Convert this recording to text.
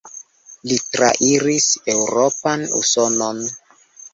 Li trairis Eŭropon, Usonon.